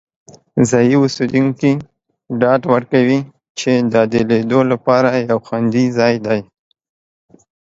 ځایی اوسیدونکي ډاډ ورکوي چې دا د لیدو لپاره یو خوندي ځای دی.